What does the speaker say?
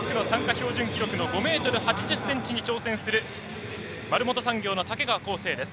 標準記録の５ｍ８０ｃｍに挑戦する丸元産業の竹川倖生です。